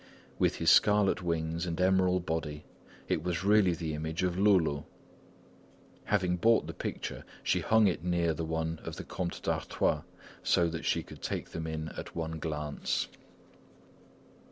With his scarlet wings and emerald body, it was really the image of Loulou. Having bought the picture, she hung it near the one of the Comte d'Artois so that she could take them in at one glance.